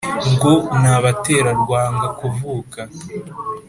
Ngo ntabatera Rwangakuvuka